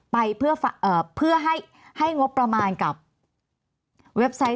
ไปเพื่อให้งบประมาณกับเว็บไซต์